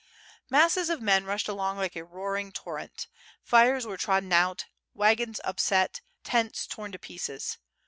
Masses of men rushed along like a roaring torrent. Fires were trodden out, wagons upset, tents torn to pieces.